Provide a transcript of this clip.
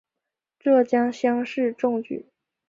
浙江乡试中举。